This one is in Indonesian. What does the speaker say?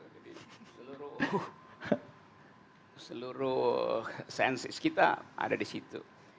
jadi seluruh seluruh sainsis kita ada di situ